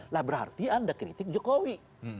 lah berarti anda kritik jokowi